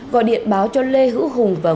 gọi điện báo cho lê hữu hùng và nguyễn văn đắc